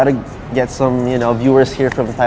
แล้วเราจะเจอกันที